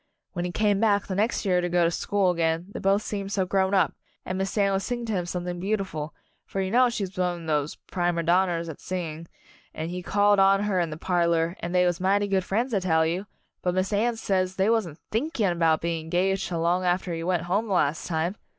When he came back the next year to go to school again they both seemed so grown up, and Miss Anne would sing to him something beautiful for you know she's one of these 'primer donners' at singing, and he called on her in the parlor, and they was mighty good friends, I tell you, but Miss Anne says they wasn't thinking 'bout being engaged till long after he went home the last time!